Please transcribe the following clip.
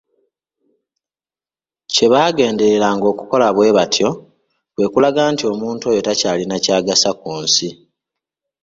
Kye baagendereranga okukola bwe batyo kwe kulaga nti omuntu oyo takyalina kyagasa ku nsi.